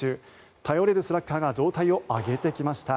頼れるスラッガーが状態を上げてきました。